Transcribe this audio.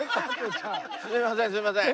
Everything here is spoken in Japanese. すいませんすいません。